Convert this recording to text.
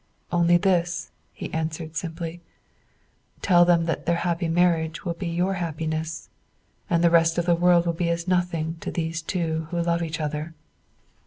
'only this,' he answered simply: 'tell them that their happy marriage will be your happiness, and the rest of the world will be as nothing to these two who love each other.